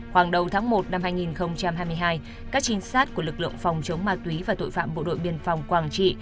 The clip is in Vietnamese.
khoảng đầu tháng một năm hai nghìn hai mươi hai các trinh sát của lực lượng phòng chống ma túy và tội phạm bộ đội biên phòng quảng trị